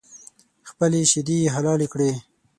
خپلې شیدې یې حلالې کړې.